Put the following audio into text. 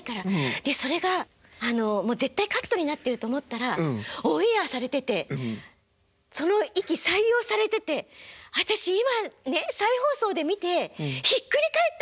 でそれがもう絶対カットになってると思ったらオンエアされててその息採用されてて私今ねっ再放送で見てひっくり返った。